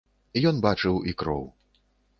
Ён бачыў і кроў.